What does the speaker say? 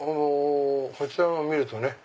こちらを見るとね